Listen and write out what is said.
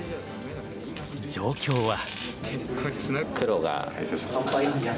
状況は。